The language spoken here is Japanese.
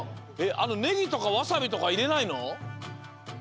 ネギとかわさびとかいれないの？